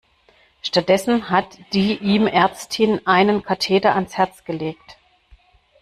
Stattdessen hat die ihm Ärztin einen Katheter ans Herz gelegt.